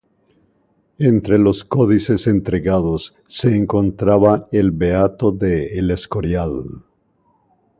Entre los códices entregados se encontraba el Beato de El Escorial.